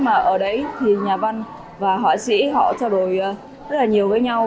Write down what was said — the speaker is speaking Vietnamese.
mà ở đấy thì nhà văn và họa sĩ họ trao đổi rất là nhiều với nhau